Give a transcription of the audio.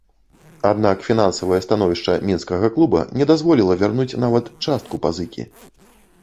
Аднак фінансавае становішча мінскага клуба не дазволіла вярнуць нават частку пазыкі.